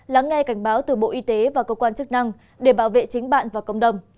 lắng nghe cảnh báo từ bộ y tế và cơ quan chức năng để bảo vệ chính bạn và cộng đồng